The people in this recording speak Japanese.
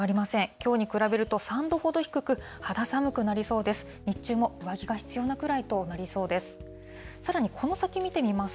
きょうに比べると３度ほど低く、肌寒くなりそうです。